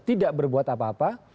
tidak berbuat apa apa